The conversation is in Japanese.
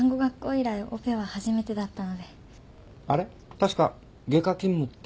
確か外科勤務って。